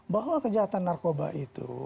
bahwa kejahatan narkoba itu